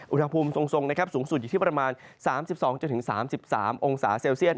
อุณหภูมิทรงสูงสุดอยู่ที่ประมาณ๓๒๓๓องศาเซลเซียต